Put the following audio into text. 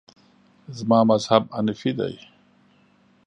زما مذهب حنیفي دی.